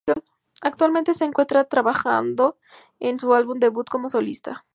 Actualmente se encuentra trabajando en su álbum debut como solista.